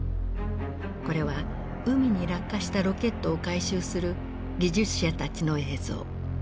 これは海に落下したロケットを回収する技術者たちの映像。